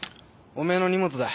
おめえの荷物だ。